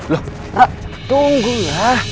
loh ra tunggulah